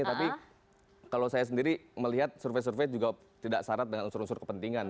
tapi kalau saya sendiri melihat survei survei juga tidak syarat dengan unsur unsur kepentingan